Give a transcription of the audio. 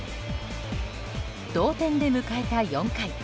同点で迎えた４回。